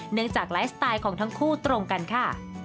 จากไลฟ์สไตล์ของทั้งคู่ตรงกันค่ะ